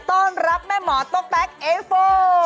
ต้อนรับแม่หมอโต๊ะแป๊กเอโฟ